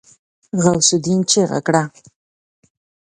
غوث االدين چيغه کړه.